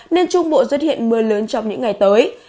nên trung bộ xuất hiện mưa lớn trong những ngày tới